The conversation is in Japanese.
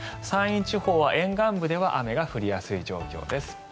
山陰地方は沿岸部では雨が降りやすい状況です。